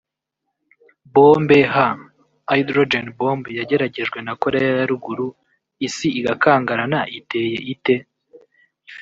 Bombe H /Hydrogen bomb yageragejwe na Koreya ya ruguru isi igakangarana iteye ite